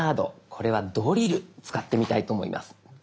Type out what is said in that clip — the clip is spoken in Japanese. これは「ドリル」使ってみたいと思います。